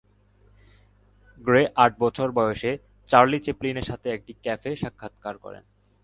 Grey আট বছর বয়সে চার্লি চ্যাপলিনের সাথে একটি ক্যাফে সাক্ষাৎ করেন।